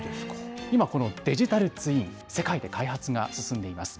今、このデジタルツイン、世界で開発が進んでいます。